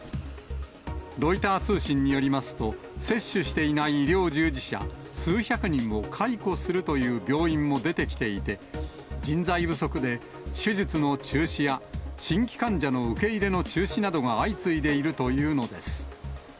ロイター通信によりますと、接種していない医療従事者数百人を解雇するという病院も出てきていて、人材不足で手術の中止や新規患者の受け入れの中止などが相次いでいるというのです。